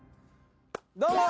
どうも！